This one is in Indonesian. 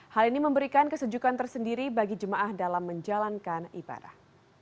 hal ini memberikan kesejukan tersendiri bagi jemaah dalam menjalankan ibadah